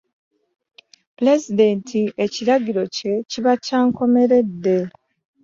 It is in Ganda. Pulezidenti ekiragiro kye kiba kya nkomeredde.